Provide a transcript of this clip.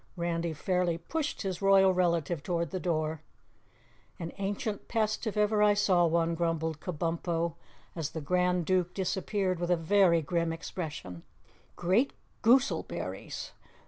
Randy fairly pushed his royal relative toward the door. "An ancient pest if I ever saw one," grumbled Kabumpo as the Grand Duke disappeared with a very grim expression. "Great gooselberries!